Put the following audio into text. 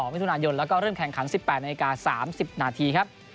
มิถุนายนแล้วก็เริ่มแข่งขัน๑๘นาที๓๐นาทีครับ